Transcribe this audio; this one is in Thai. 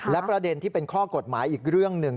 และประเด็นที่เป็นข้อกฎหมายอีกเรื่องหนึ่ง